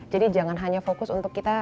jadi jangan hanya fokus untuk produk itu sendiri